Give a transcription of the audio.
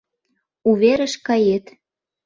У верыш кает.